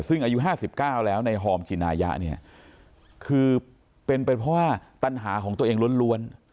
ซึ่งอายุห้าสิบเก้าแล้วในฮอร์มจินายะเนี่ยคือเป็นเพราะว่าตัญหาของตัวเองล้วน